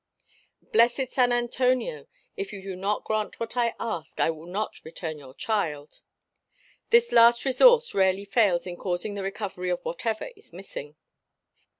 "Blessed San Antonio if you do not grant what I ask, I will not return your child" this last resource rarely fails in causing the recovery of whatever is missing.